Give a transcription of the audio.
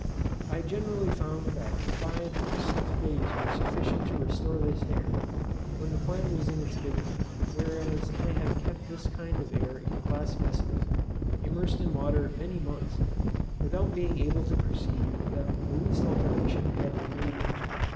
I generally found that five or six days were sufficient to restore this air, when the plant was in its vigour; whereas I have kept this kind of air in glass vessels, immersed in water many months, without being able to perceive that the least alteration had been made in it.